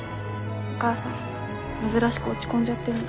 お母さん珍しく落ち込んじゃってるの。